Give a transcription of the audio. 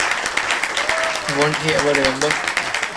Won't he ever remember?